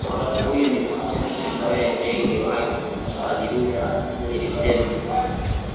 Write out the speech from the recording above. Huyu ni msichana ambaye ndege wake waliruka,' nilisema